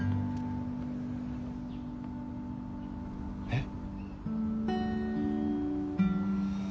えっ？